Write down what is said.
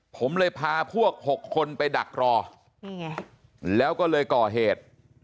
ผมเลยพาพวก๖คนไปดักรอนี่ไงแล้วก็เลยก่อเหตุ